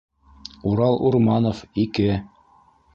Урал Урманов - ике.